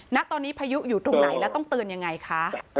ณตอนนี้พายุอยู่ตรงไหนแล้วต้องเตือนยังไงคะ